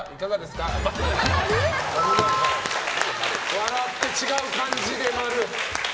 笑って違う感じで○。